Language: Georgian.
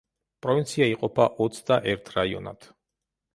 პროვინცია იყოფა ოცდაერთ რაიონად.